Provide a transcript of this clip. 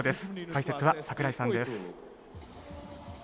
解説は櫻井さんです。